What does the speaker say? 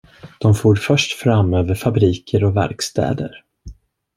De for först fram över fabriker och verkstäder.